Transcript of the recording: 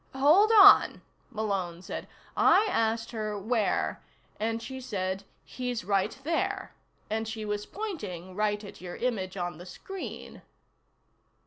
"Hold on," Malone said. "I asked her where and she said: 'He's right there.' And she was pointing right at your image on the screen."